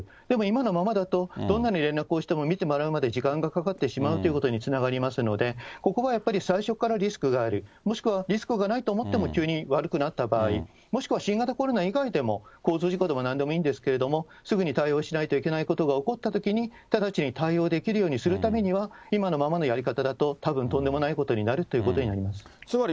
でも今のままだと、どんなに連絡をしても、診てもらうまで時間がかかってしまうということにつながりますので、ここがやっぱり最初からリスクがある、もしくはリスクがないと思っても急に悪くなった場合、もしくは新型コロナ以外でも、交通事故でもなんでもいいんですけど、すぐに対応しないといけないことが起こったときに、直ちに対応できるようにするためには、今のままのやり方だと、たぶんとんでもないことになるということだと思います。